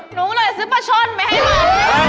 หนูเลยซื้อปลาช่อนไปให้มัน